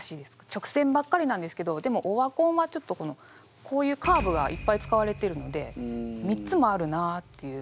直線ばっかりなんですけどでも「オワコン」はこういうカーブがいっぱい使われているので３つもあるなあっていうふうに。